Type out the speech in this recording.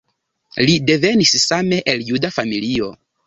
Li devenis same el juda familio.